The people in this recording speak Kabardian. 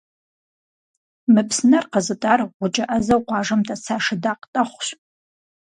Мы псынэр къэзытӏар гъукӏэ ӏэзэу къуажэм дэса Шыдакъ Тӏэхъущ.